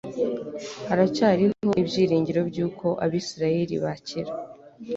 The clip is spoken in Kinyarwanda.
haracyariho ibyiringiro by'uko abisirayeli bakira